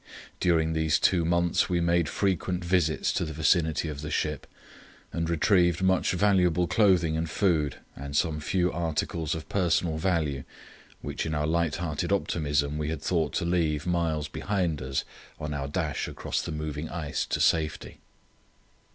During these two months we made frequent visits to the vicinity of the ship and retrieved much valuable clothing and food and some few articles of personal value which in our light hearted optimism we had thought to leave miles behind us on our dash across the moving ice to safety.